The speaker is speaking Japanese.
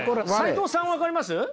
齋藤さんは分かります？